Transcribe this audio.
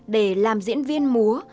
để làm diễn viên múa